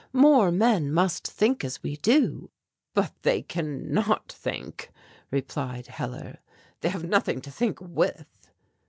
More men must think as we do." "But they can not think," replied Hellar, "they have nothing to think with."